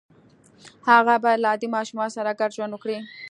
هغه باید له عادي ماشومانو سره ګډ ژوند وکړي